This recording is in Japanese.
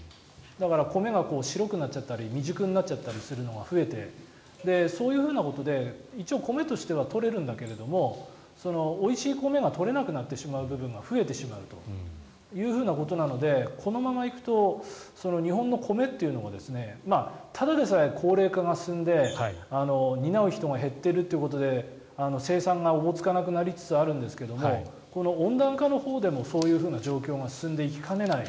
米が白くなったり未熟になるのが増えてそういうことで米としては採れるけどおいしい米が取れなくなってしまう部分が増えてしまうということなのでこのままいくと日本の米っていうのがただでさえ高齢化が進んで担う人が減っているということで生産がおぼつかなくなりつつあるんですが温暖化のほうでもそういう状況が進んでいきかねない。